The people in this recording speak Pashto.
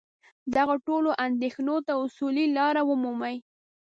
دغو ټولو اندېښنو ته اصولي لاره ومومي.